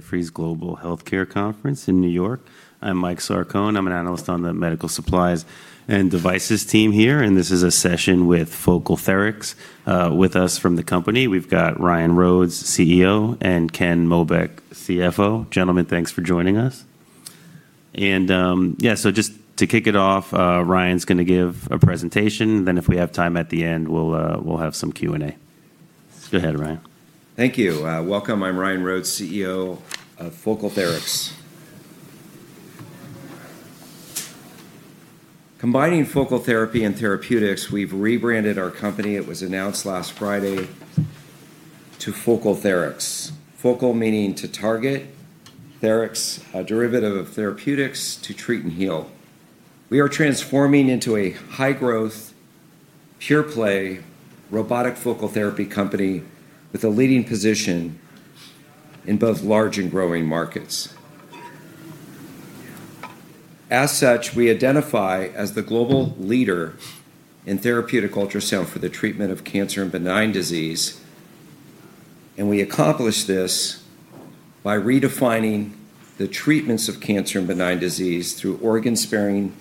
Jefferies Global Healthcare Conference in New York. I'm Michael Sarcone. I'm an analyst on the medical supplies and devices team here, and this is a session with FocalTherics. With us from the company, we've got Ryan Rhodes, CEO, and Ken Mobeck, CFO. Gentlemen, thanks for joining us. Just to kick it off, Ryan's going to give a presentation, then if we have time at the end, we'll have some Q&A. Go ahead, Ryan. Thank you. Welcome. I'm Ryan Rhodes, CEO of FocalTherics. Combining focal therapy and therapeutics, we've rebranded our company, it was announced last Friday, to FocalTherics. Focal meaning to target, Therics, a derivative of therapeutics to treat and heal. We are transforming into a high-growth, pure-play, robotic focal therapy company with a leading position in both large and growing markets. We identify as the global leader in therapeutic ultrasound for the treatment of cancer and benign disease, and we accomplish this by redefining the treatments of cancer and benign disease through organ-sparing,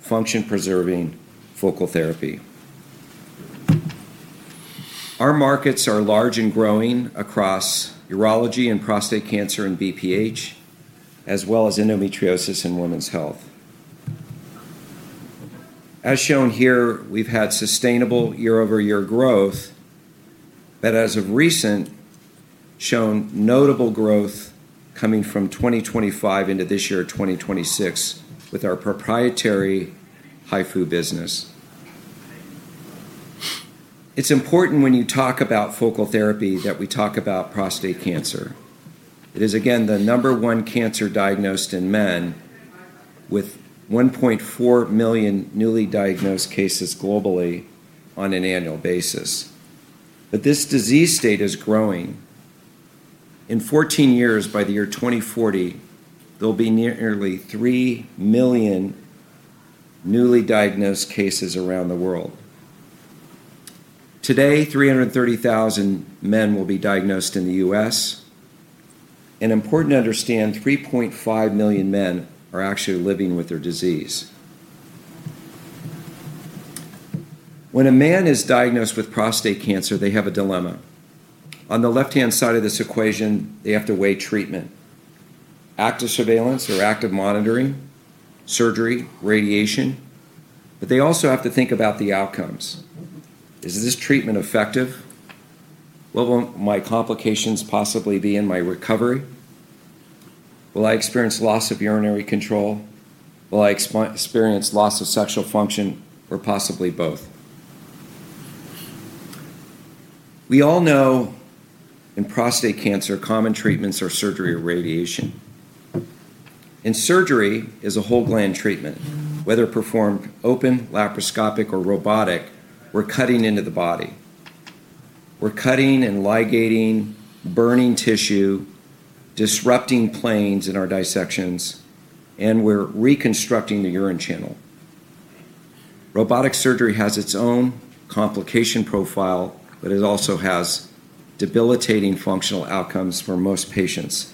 function-preserving focal therapy. Our markets are large and growing across urology and prostate cancer and BPH, as well as endometriosis and women's health. We've had sustainable year-over-year growth that has, of recent, shown notable growth coming from 2025 into this year, 2026, with our proprietary HIFU business. It's important when you talk about focal therapy that we talk about prostate cancer. It is, again, the number one cancer diagnosed in men with 1.4 million newly diagnosed cases globally on an annual basis. This disease state is growing. In 14 years, by the year 2040, there'll be nearly 3 million newly diagnosed cases around the world. Today, 330,000 men will be diagnosed in the U.S., and important to understand, 3.5 million men are actually living with their disease. When a man is diagnosed with prostate cancer, they have a dilemma. On the left-hand side of this equation, they have to weigh treatment, active surveillance or active monitoring, surgery, radiation, but they also have to think about the outcomes. Is this treatment effective? What will my complications possibly be in my recovery? Will I experience loss of urinary control? Will I experience loss of sexual function or possibly both? We all know in prostate cancer, common treatments are surgery or radiation. Surgery is a whole gland treatment. Whether performed open, laparoscopic, or robotic, we're cutting into the body. We're cutting and ligating burning tissue, disrupting planes in our dissections, and we're reconstructing the urine channel. Robotic surgery has its own complication profile. It also has debilitating functional outcomes for most patients.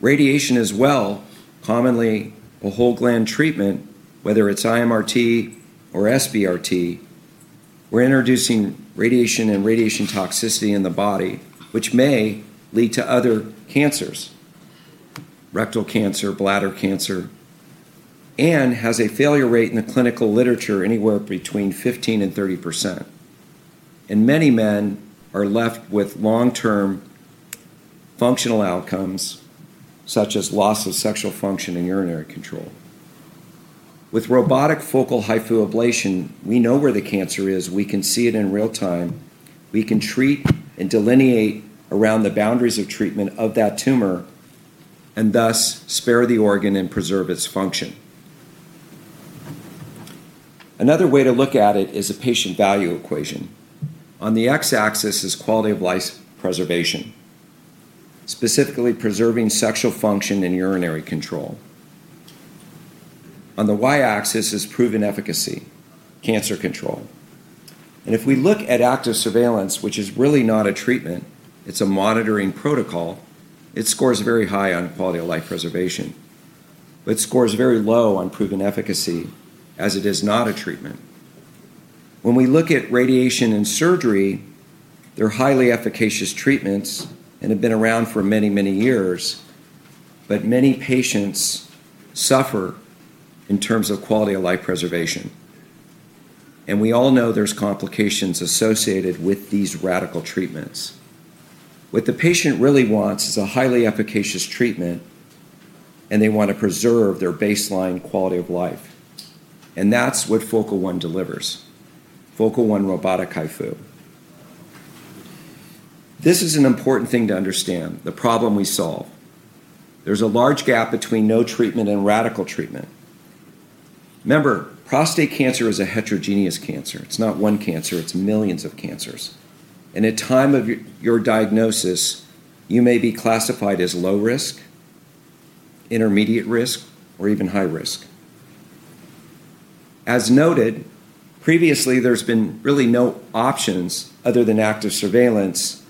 Radiation as well, commonly a whole gland treatment, whether it's IMRT or SBRT, we're introducing radiation and radiation toxicity in the body, which may lead to other cancers, rectal cancer, bladder cancer, and has a failure rate in the clinical literature anywhere between 15%-30%. Many men are left with long-term functional outcomes, such as loss of sexual function and urinary control. With robotic focal HIFU ablation, we know where the cancer is. We can see it in real-time. We can treat and delineate around the boundaries of treatment of that tumor, and thus spare the organ and preserve its function. Another way to look at it is a patient value equation. On the x-axis is quality of life preservation, specifically preserving sexual function and urinary control. On the y-axis is proven efficacy, cancer control. If we look at active surveillance, which is really not a treatment, it's a monitoring protocol, it scores very high on quality of life preservation, but scores very low on proven efficacy as it is not a treatment. When we look at radiation and surgery, they're highly efficacious treatments and have been around for many, many years, but many patients suffer in terms of quality of life preservation. We all know there's complications associated with these radical treatments. What the patient really wants is a highly efficacious treatment, and they want to preserve their baseline quality of life, and that's what FocalTherics delivers. FocalTherics robotic HIFU. This is an important thing to understand, the problem we solve. There's a large gap between no treatment and radical treatment. Remember, prostate cancer is a heterogeneous cancer. It's not one cancer. It's millions of cancers. At time of your diagnosis, you may be classified as low risk, intermediate risk, or even high risk. As noted, previously there's been really no options other than active surveillance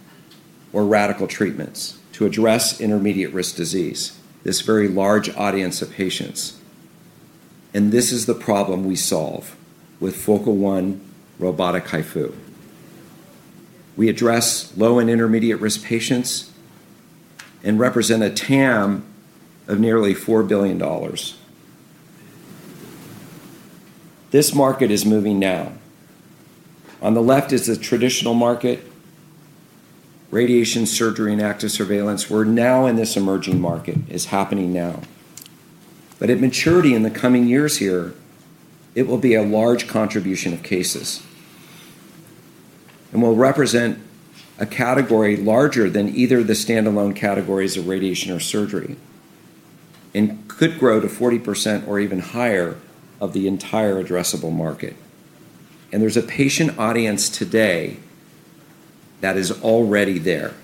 or radical treatments to address intermediate risk disease, this very large audience of patients. This is the problem we solve with FocalTherics robotic HIFU. We address low and intermediate risk patients and represent a TAM of nearly $4 billion. This market is moving now. On the left is the traditional market, radiation surgery, and active surveillance. We're now in this emerging market. It's happening now. At maturity in the coming years here, it will be a large contribution of cases and will represent a category larger than either of the standalone categories of radiation or surgery, and could grow to 40% or even higher of the entire addressable market. There's a patient audience today that is already there.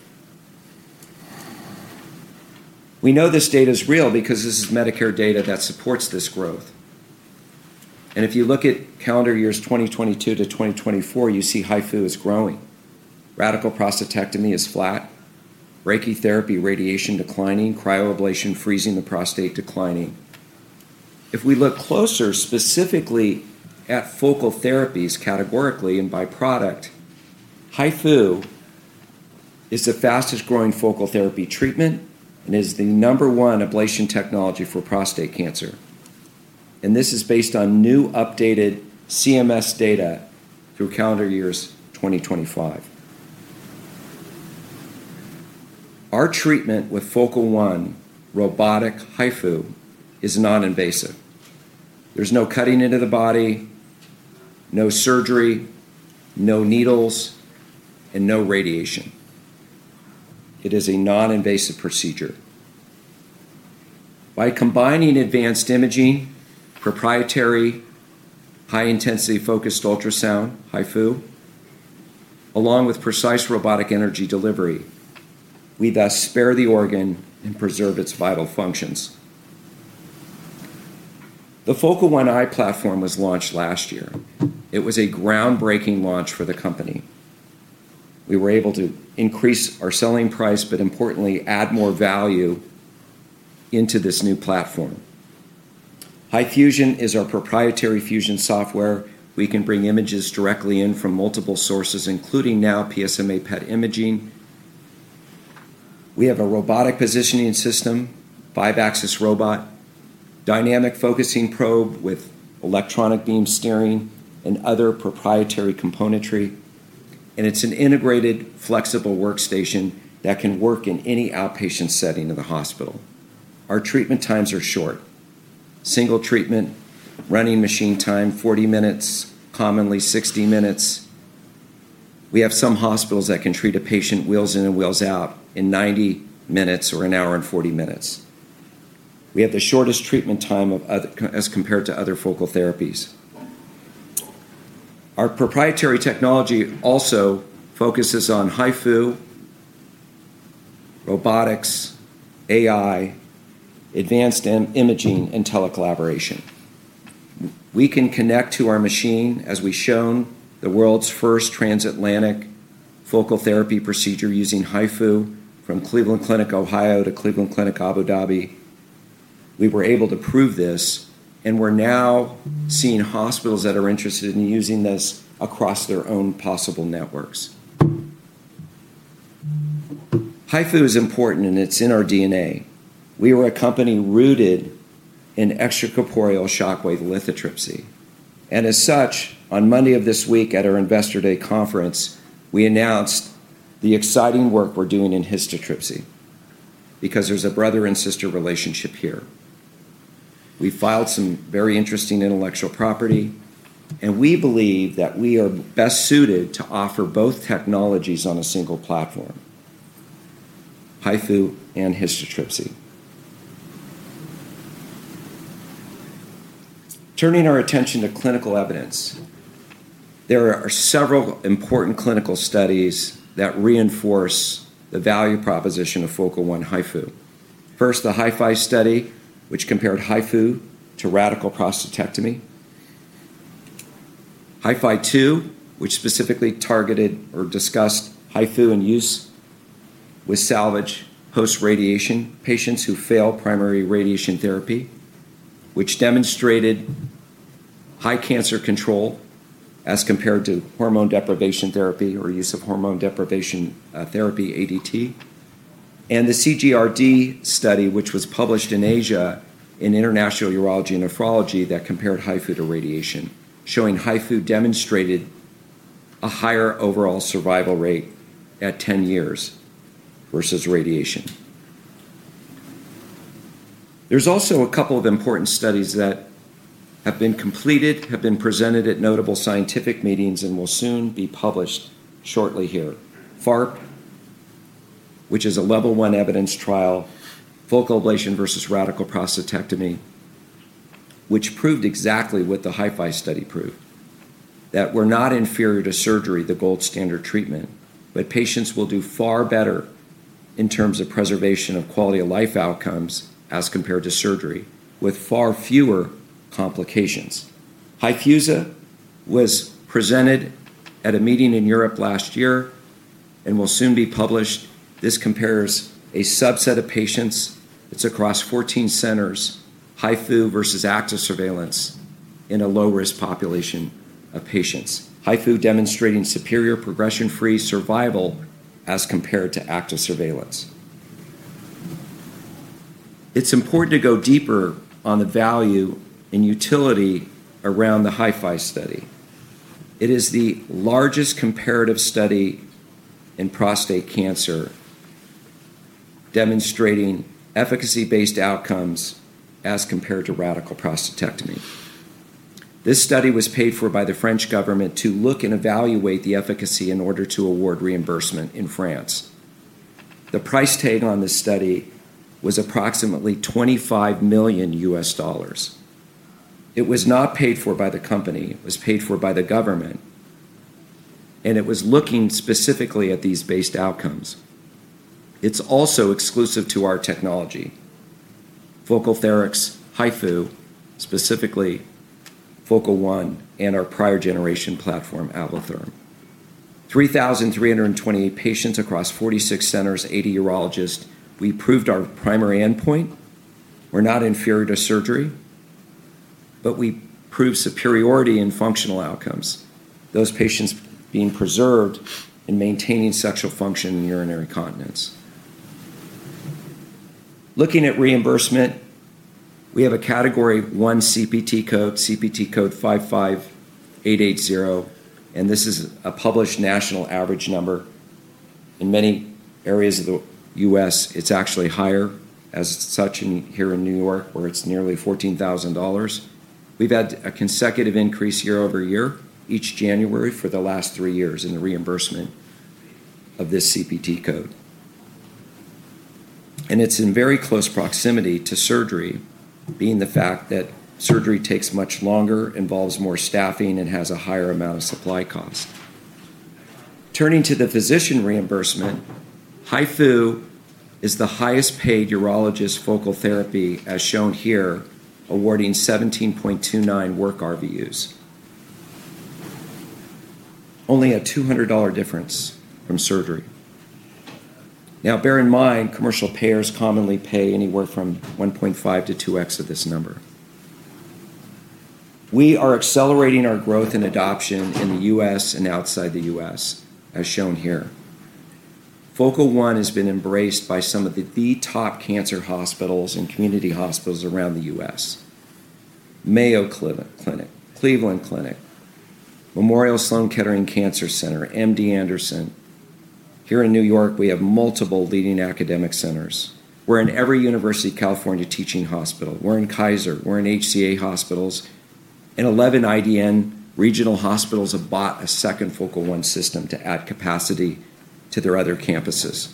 We know this data's real because this is Medicare data that supports this growth. If you look at calendar years 2022-2024, you see HIFU is growing. Radical prostatectomy is flat, brachytherapy radiation declining, cryoablation, freezing the prostate, declining. If we look closer, specifically at focal therapies categorically and by product, HIFU is the fastest-growing focal therapy treatment and is the number one ablation technology for prostate cancer. This is based on new updated CMS data through calendar years 2025. Our treatment with FocalTherics robotic HIFU is non-invasive. There's no cutting into the body, no surgery, no needles, and no radiation. It is a non-invasive procedure. By combining advanced imaging, proprietary high-intensity focused ultrasound, HIFU, along with precise robotic energy delivery, we thus spare the organ and preserve its vital functions. The FocalTherics i platform was launched last year. It was a groundbreaking launch for the company. We were able to increase our selling price, but importantly, add more value into this new platform. HIFUsion is our proprietary fusion software. We can bring images directly in from multiple sources, including now PSMA PET imaging. We have a robotic positioning system, five-axis robot, dynamic focusing probe with electronic beam steering, and other proprietary componentry. It's an integrated, flexible workstation that can work in any outpatient setting of the hospital. Our treatment times are short. Single treatment, running machine time 40 minutes, commonly 60 minutes. We have some hospitals that can treat a patient wheels in and wheels out in 90 minutes or an hour and 40 minutes. We have the shortest treatment time as compared to other focal therapies. Our proprietary technology also focuses on HIFU, robotics, AI, advanced imaging, and telecollaboration. We can connect to our machine, as we've shown the world's first transatlantic focal therapy procedure using HIFU from Cleveland Clinic Ohio to Cleveland Clinic Abu Dhabi. We were able to prove this. We're now seeing hospitals that are interested in using this across their own possible networks. HIFU is important, and it's in our DNA. We are a company rooted in extracorporeal shock wave lithotripsy, and as such, on Monday of this week at our Investor Day conference, we announced the exciting work we're doing in histotripsy because there's a brother and sister relationship here. We filed some very interesting intellectual property, and we believe that we are best suited to offer both technologies on a single platform, HIFU and histotripsy. Turning our attention to clinical evidence, there are several important clinical studies that reinforce the value proposition of FocalTherics HIFU. First, the HI-FI study, which compared HIFU to radical prostatectomy. HIFI-2, which specifically targeted or discussed HIFU in use with salvage post-radiation patients who fail primary radiation therapy, which demonstrated high cancer control as compared to hormone deprivation therapy or use of hormone deprivation therapy, ADT. The C.G.R.D. study, which was published in Asia in International Urology and Nephrology that compared HIFU to radiation, showing HIFU demonstrated a higher overall survival rate at 10 years versus radiation. There's also a couple of important studies that have been completed, have been presented at notable scientific meetings, and will soon be published shortly here. FARP, which is a level 1 evidence trial, Focal Ablation versus Radical Prostatectomy, which proved exactly what the HI-FI study proved. That we're not inferior to surgery, the gold standard treatment, but patients will do far better in terms of preservation of quality-of-life outcomes as compared to surgery, with far fewer complications. HIFU-AS was presented at a meeting in Europe last year and will soon be published. This compares a subset of patients. It's across 14 centers, HIFU versus active surveillance in a low-risk population of patients. HIFU demonstrating superior progression-free survival as compared to active surveillance. It's important to go deeper on the value and utility around the HI-FI study. It is the largest comparative study in prostate cancer, demonstrating efficacy-based outcomes as compared to radical prostatectomy. This study was paid for by the French government to look and evaluate the efficacy in order to award reimbursement in France. The price tag on this study was approximately $25 million. It was not paid for by the company, it was paid for by the government, and it was looking specifically at efficacy-based outcomes. It's also exclusive to our technology, FocalTherics, HIFU, specifically FocalTherics, and our prior generation platform, Ablatherm. 3,328 patients across 46 centers, 80 urologists. We proved our primary endpoint. We're not inferior to surgery, but we prove superiority in functional outcomes, those patients being preserved and maintaining sexual function and urinary incontinence. Looking at reimbursement, we have a category 1 CPT code, CPT code 55880, and this is a published national average number. In many areas of the U.S., it's actually higher, as such here in New York, where it's nearly $14,000. We've had a consecutive increase year-over-year, each January for the last three years, in the reimbursement of this CPT code. It's in very close proximity to surgery, being the fact that surgery takes much longer, involves more staffing, and has a higher amount of supply cost. Turning to the physician reimbursement, HIFU is the highest-paid urologist focal therapy, as shown here, awarding 17.29 work RVUs. Only a $200 difference from surgery. Bear in mind, commercial payers commonly pay anywhere from 1.5 to 2X of this number. We are accelerating our growth and adoption in the U.S. and outside the U.S., as shown here. FocalTherics has been embraced by some of the top cancer hospitals and community hospitals around the U.S. Mayo Clinic, Cleveland Clinic, Memorial Sloan Kettering Cancer Center, MD Anderson. Here in New York, we have multiple leading academic centers. We're in every University of California teaching hospital. We're in Kaiser. We're in HCA hospitals, 11 IDN regional hospitals have bought a second FocalTherics system to add capacity to their other campuses.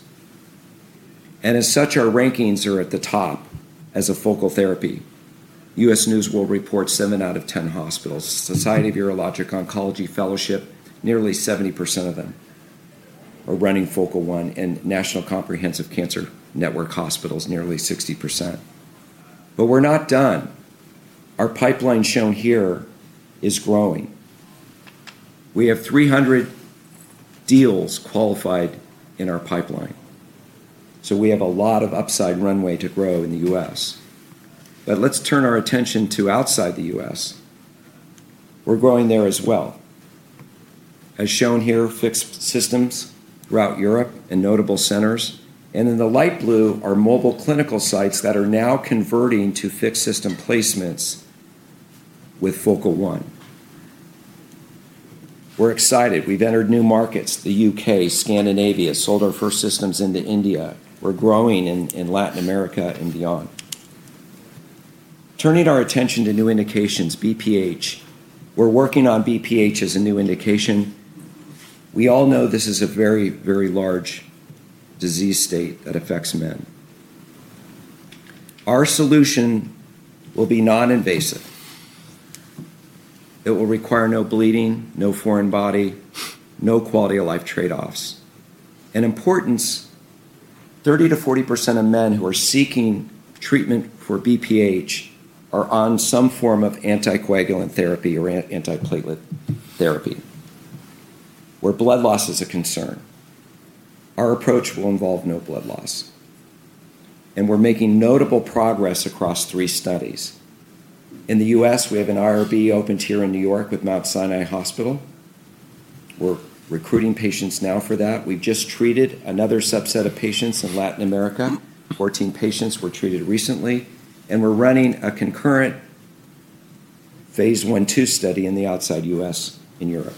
As such, our rankings are at the top as a focal therapy. U.S. News will report seven out of 10 hospitals. Society of Urologic Oncology Fellowship, nearly 70% of them are running FocalTherics. National Comprehensive Cancer Network hospitals, nearly 60%. We're not done. Our pipeline shown here is growing. We have 300 deals qualified in our pipeline, we have a lot of upside runway to grow in the U.S. Let's turn our attention to outside the U.S. We're growing there as well. As shown here, fixed systems throughout Europe and notable centers. In the light blue are mobile clinical sites that are now converting to fixed system placements with FocalTherics. We're excited. We've entered new markets, the U.K., Scandinavia, sold our first systems into India. We're growing in Latin America and beyond. Turning our attention to new indications, BPH. We're working on BPH as a new indication. We all know this is a very large disease state that affects men. Our solution will be non-invasive. It will require no bleeding, no foreign body, no quality-of-life trade-offs. In importance, 30%-40% of men who are seeking treatment for BPH are on some form of anticoagulant therapy or antiplatelet therapy, where blood loss is a concern. Our approach will involve no blood loss. We're making notable progress across three studies. In the U.S., we have an IRB opened here in New York with Mount Sinai Hospital. We're recruiting patients now for that. We've just treated another subset of patients in Latin America. 14 patients were treated recently. We're running a concurrent phase I-II study in the outside U.S. in Europe.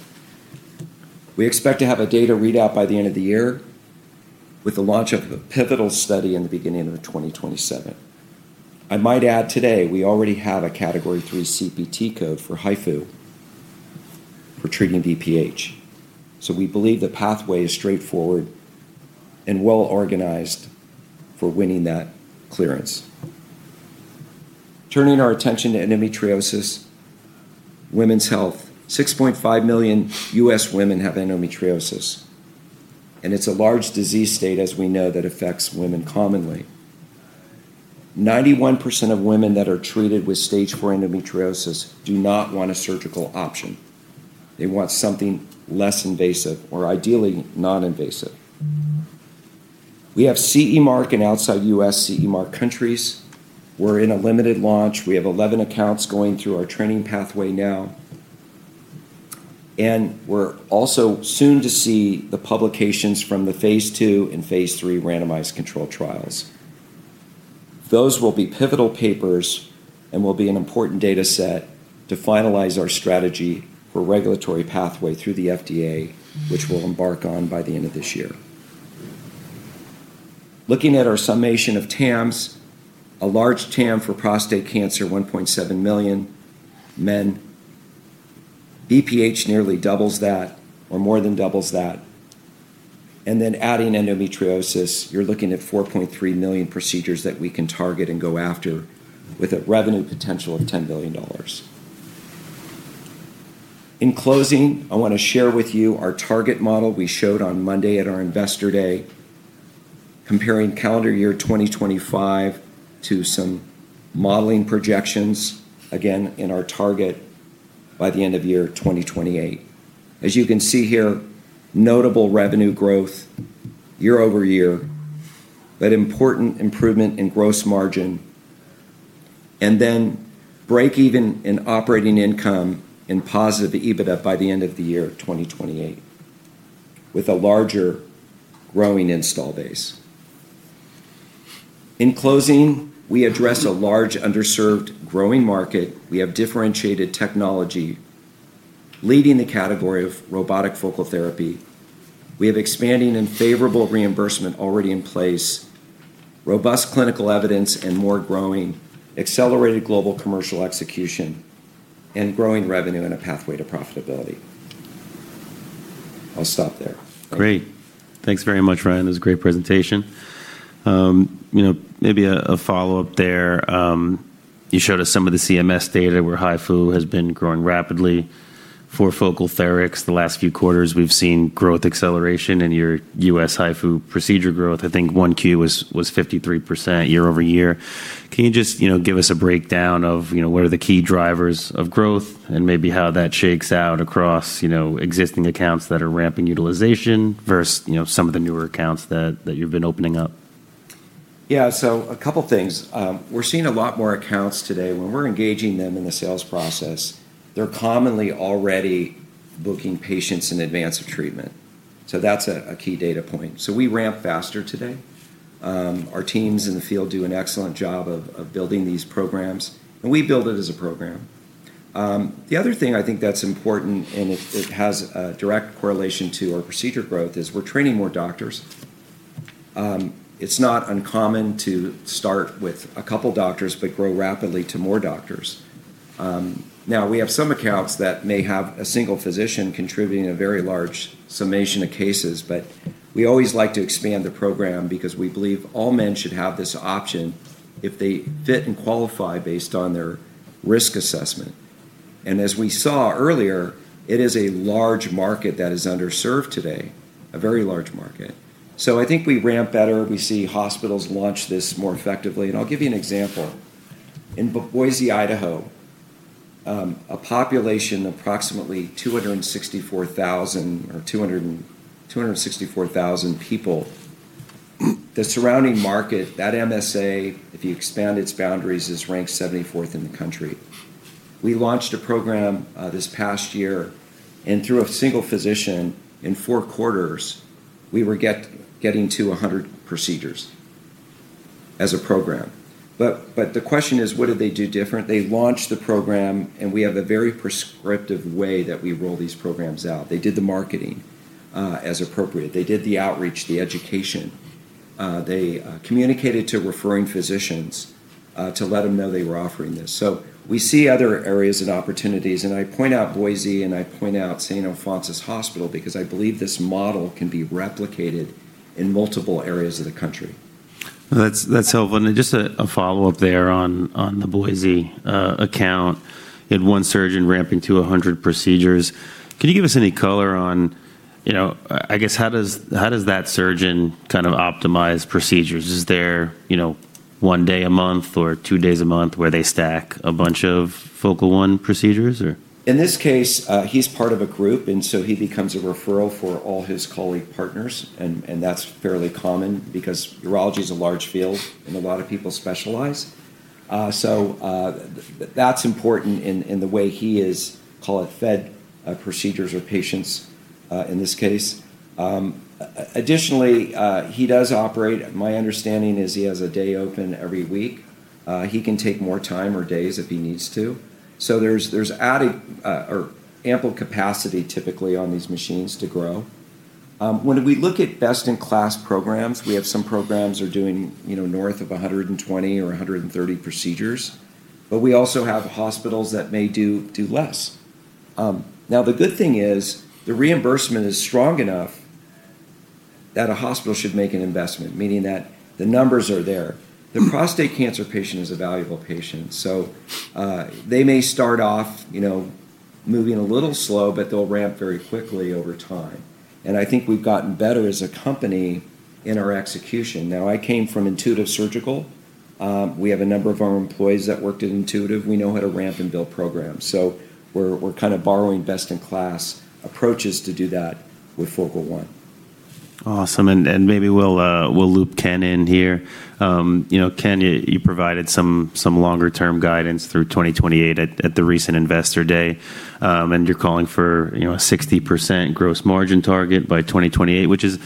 We expect to have a data readout by the end of the year with the launch of the pivotal study in the beginning of 2027. I might add today, we already have a category 3 CPT code for HIFU for treating BPH. We believe the pathway is straightforward and well-organized for winning that clearance. Turning our attention to endometriosis, women's health, 6.5 million U.S. women have endometriosis, and it's a large disease state, as we know, that affects women commonly. 91% of women that are treated with stage 4 endometriosis do not want a surgical option. They want something less invasive or ideally non-invasive. We have CE Mark in outside U.S. CE Mark countries. We're in a limited launch. We have 11 accounts going through our training pathway now, and we're also soon to see the publications from the phase II and phase III randomized controlled trials. Those will be pivotal papers and will be an important data set to finalize our strategy for regulatory pathway through the FDA, which we'll embark on by the end of this year. Looking at our summation of TAMs, a large TAM for prostate cancer, 1.7 million men. BPH nearly doubles that or more than doubles that. Then adding endometriosis, you're looking at 4.3 million procedures that we can target and go after with a revenue potential of $10 billion. In closing, I want to share with you our target model we showed on Monday at our Investor Day, comparing calendar year 2025 to some modeling projections, again, in our target by the end of year 2028. As you can see here, notable revenue growth year-over-year, but important improvement in gross margin, and then break even in operating income and positive EBITDA by the end of the year 2028 with a larger growing install base. In closing, we address a large, underserved, growing market. We have differentiated technology leading the category of robotic focal therapy. We have expanding and favorable reimbursement already in place, robust clinical evidence and more growing, accelerated global commercial execution, and growing revenue and a pathway to profitability. I'll stop there. Great. Thanks very much, Ryan. That was a great presentation. Maybe a follow-up there. You showed us some of the CMS data where HIFU has been growing rapidly. For FocalTherics, the last few quarters, we've seen growth acceleration in your U.S. HIFU procedure growth. I think 1Q was 53% year-over-year. Can you just give us a breakdown of what are the key drivers of growth and maybe how that shakes out across existing accounts that are ramping utilization versus some of the newer accounts that you've been opening up? Yeah. A couple things. We're seeing a lot more accounts today. When we're engaging them in the sales process, they're commonly already booking patients in advance of treatment. That's a key data point. We ramp faster today. Our teams in the field do an excellent job of building these programs, and we build it as a program. The other thing I think that's important, and it has a direct correlation to our procedure growth, is we're training more doctors. It's not uncommon to start with a couple doctors but grow rapidly to more doctors. Now, we have some accounts that may have a single physician contributing a very large summation of cases, but we always like to expand the program because we believe all men should have this option if they fit and qualify based on their risk assessment. As we saw earlier, it is a large market that is underserved today, a very large market. I think we ramp better. We see hospitals launch this more effectively, and I will give you an example. In Boise, Idaho, a population approximately 264,000 people, the surrounding market, that MSA, if you expand its boundaries, is ranked 74th in the country. We launched a program this past year, and through a single physician in four quarters, we were getting to 100 procedures as a program. The question is, what did they do different? They launched the program, and we have a very prescriptive way that we roll these programs out. They did the marketing as appropriate. They did the outreach, the education. They communicated to referring physicians to let them know they were offering this. We see other areas and opportunities, and I point out Boise, and I point out St. Alphonsus Hospital because I believe this model can be replicated in multiple areas of the country. That's helpful. Just a follow-up there on the Boise account. You had one surgeon ramping to 100 procedures. Can you give us any color on, I guess, how does that surgeon kind of optimize procedures? Is there one day a month or two days a month where they stack a bunch of FocalTherics procedures or? In this case, he's part of a group, he becomes a referral for all his colleague partners, that's fairly common because urology is a large field, a lot of people specialize. That's important in the way he is, call it, fed procedures or patients in this case. Additionally, he does operate. My understanding is he has a day open every week. He can take more time or days if he needs to. There's ample capacity typically on these machines to grow. When we look at best-in-class programs, we have some programs are doing north of 120 or 130 procedures, we also have hospitals that may do less. The good thing is the reimbursement is strong enough that a hospital should make an investment, meaning that the numbers are there. The prostate cancer patient is a valuable patient. They may start off moving a little slow, but they'll ramp very quickly over time. I think we've gotten better as a company in our execution. Now, I came from Intuitive Surgical. We have a number of our employees that worked at Intuitive. We know how to ramp and build programs. We're kind of borrowing best-in-class approaches to do that with FocalTherics. Awesome. Maybe we'll loop Ken in here. Ken, you provided some longer-term guidance through 2028 at the recent Investor Day, you're calling for a 60% gross margin target by 2028, which is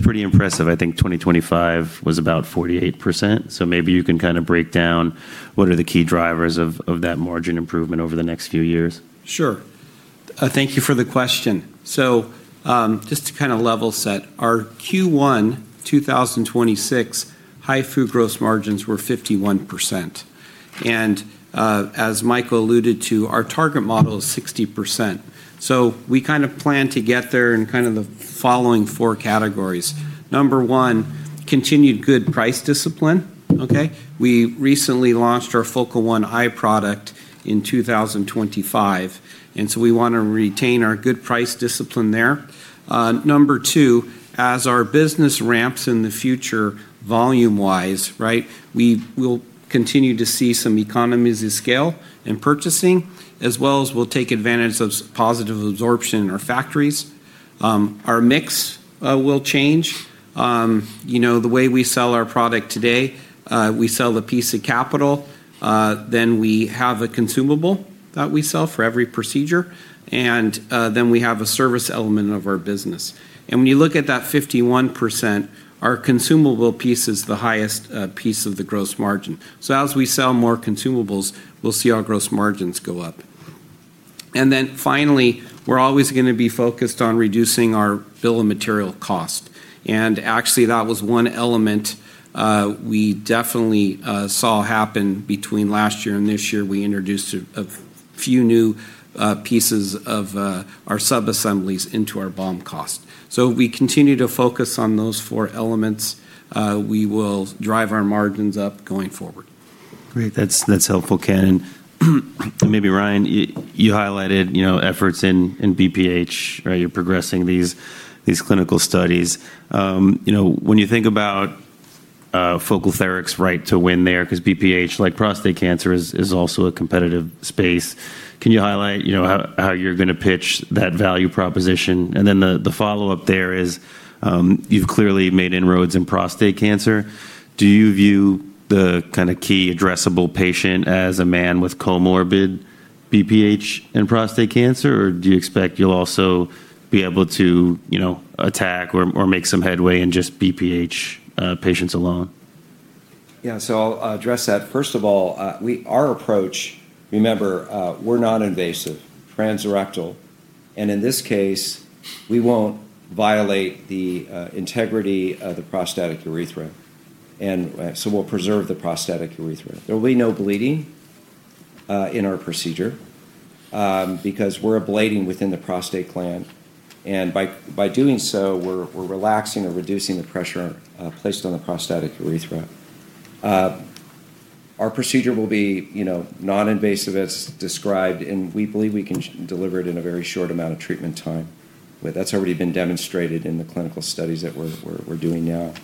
pretty impressive. I think 2025 was about 48%. Maybe you can kind of break down what are the key drivers of that margin improvement over the next few years. Sure. Thank you for the question. Just to kind of level set, our Q1 2026 HIFU gross margins were 51%. As Michael alluded to, our target model is 60%. We kind of plan to get there in kind of the following four categories. Number one, continued good price discipline. Okay. We recently launched our FocalTherics i product in 2025, and so we want to retain our good price discipline there. Number two, as our business ramps in the future volume-wise, right, we will continue to see some economies of scale in purchasing, as well as we'll take advantage of positive absorption in our factories. Our mix will change. The way we sell our product today, we sell the piece of capital, then we have a consumable that we sell for every procedure, and then we have a service element of our business. When you look at that 51%, our consumable piece is the highest piece of the gross margin. As we sell more consumables, we'll see our gross margins go up. Finally, we're always going to be focused on reducing our bill of material cost. Actually, that was one element we definitely saw happen between last year and this year. We introduced a few new pieces of our subassemblies into our BOM cost. We continue to focus on those four elements. We will drive our margins up going forward. Great. That's helpful, Ken. Maybe Ryan, you highlighted efforts in BPH, right? You're progressing these clinical studies. When you think about FocalTherics right to win there, because BPH, like prostate cancer, is also a competitive space. Can you highlight how you're going to pitch that value proposition? Then the follow-up there is, you've clearly made inroads in prostate cancer. Do you view the kind of key addressable patient as a man with comorbid BPH and prostate cancer, or do you expect you'll also be able to attack or make some headway in just BPH patients alone? Yeah. I'll address that. First of all, our approach, remember, we're non-invasive, transrectal, and in this case, we won't violate the integrity of the prostatic urethra, we'll preserve the prostatic urethra. There will be no bleeding in our procedure because we're ablating within the prostate gland, and by doing so, we're relaxing or reducing the pressure placed on the prostatic urethra. Our procedure will be non-invasive as described, and we believe we can deliver it in a very short amount of treatment time. That's already been demonstrated in the clinical studies that we're doing now.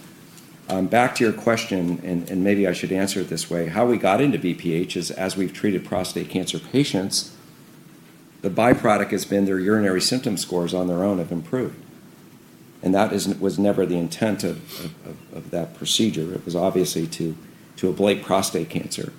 Back to your question, and maybe I should answer it this way. How we got into BPH is as we've treated prostate cancer patients, the byproduct has been their urinary symptom scores on their own have improved. That was never the intent of that procedure. It was obviously to ablate prostate cancer.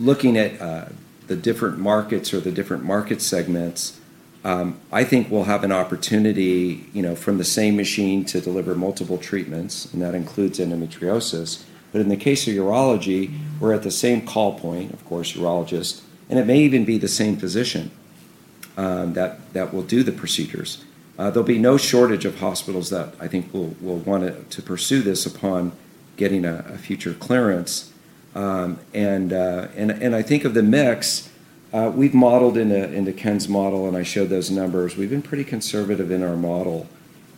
Looking at the different markets or the different market segments, I think we'll have an opportunity from the same machine to deliver multiple treatments, and that includes endometriosis. In the case of urology, we're at the same call point, of course, urologist, and it may even be the same physician that will do the procedures. There'll be no shortage of hospitals that I think will want to pursue this upon getting a future clearance. I think of the mix, we've modeled into Ken's model, and I showed those numbers. We've been pretty conservative in our model.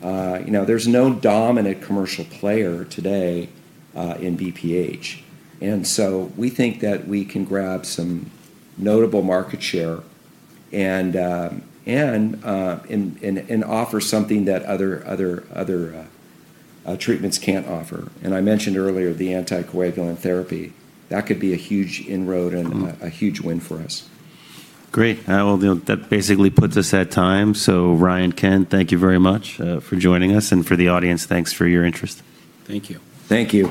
There's no dominant commercial player today in BPH, and so we think that we can grab some notable market share and offer something that other treatments can't offer. I mentioned earlier the anticoagulant therapy. That could be a huge inroad and a huge win for us. Great. Well, that basically puts us at time. Ryan, Ken, thank you very much for joining us, and for the audience, thanks for your interest. Thank you. Thank you.